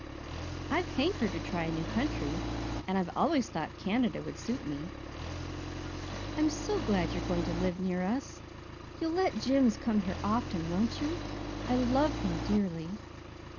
I hankered to try a new country and I've always thought Canada would suit me." "I'm so glad you are going to live near us. You'll let Jims come here often, won't you? I love him dearly."